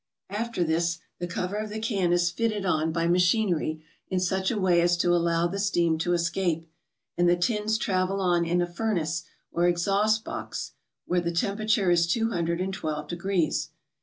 After this the cover of the can is fitted on by machinery in such a way as to allow the steam to escape, and the tins travel on into a furnace or exhaust box where the temperature is two hundred and twelve degrees.